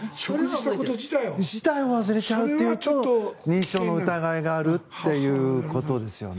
それ自体を忘れちゃうっていうと認知症の疑いがあるということですよね。